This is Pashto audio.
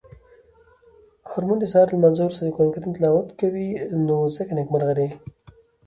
هرمومن د سهار د لمانځه وروسته د قرانکریم تلاوت کوی نو ځکه نیکمرغه دی.